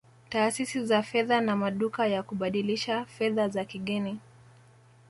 Taasisi za fedha na maduka ya kubadilisha fedha za kigeni